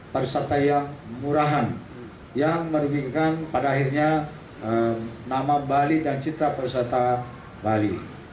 perusahaan yang murahan yang menimbulkan pada akhirnya nama bali dan citra perusahaan bali